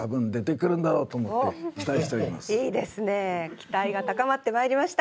期待が高まってまいりました。